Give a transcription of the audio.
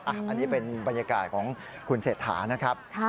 อันนี้เป็นบรรยากาศของคุณเศรษฐานะครับ